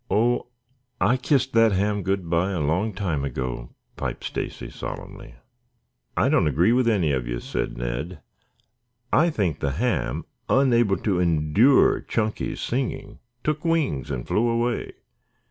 "Oh, I kissed that ham good by a long time ago," piped Stacy solemnly. "I don't agree with any of you," said Ned. "I think the ham, unable to endure Chunky's singing, took wings and flew away.